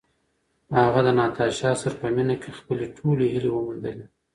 هغه د ناتاشا سره په مینه کې خپلې ټولې هیلې وموندلې.